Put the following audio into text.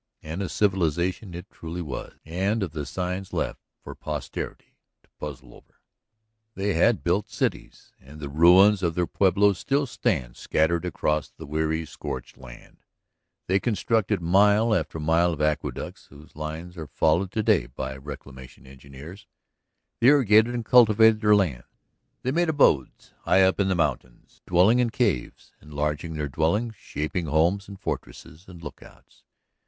. and a civilization it truly was ... and of the signs left for posterity to puzzle over. They had builded cities, and the ruins of their pueblos still stand scattered across the weary, scorched land; they constructed mile after mile of aqueducts whose lines are followed to day by reclamation engineers; they irrigated and cultivated their lands; they made abodes high up on the mountains, dwelling in caves, enlarging their dwellings, shaping homes and fortresses and lookouts.